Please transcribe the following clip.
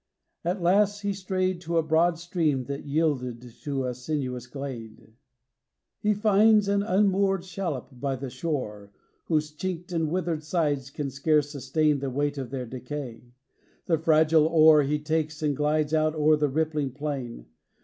At last he strayed To a broad stream that yielded to a sinuous glade. XXIII. He finds an unmoored shallop by the shore, Whose chinked and withered sides can scarce sustam The weight of their decay; the fragile oar He takes and glides out o'er the rippling plain.